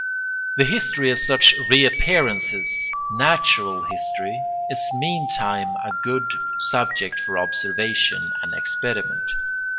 The history of such reappearances—natural history—is meantime a good subject for observation and experiment.